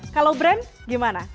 kalau brand gimana